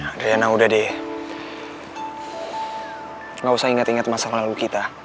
adriana udah deh gak usah inget inget masa lalu kita